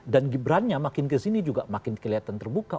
dan gibran nya makin kesini juga makin kelihatan terbuka